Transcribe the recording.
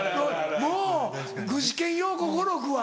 もう具志堅用高語録は。